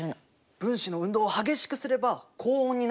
分子の運動を激しくすれば高温になるんだね。